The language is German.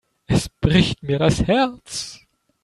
Es bricht mir das Herz.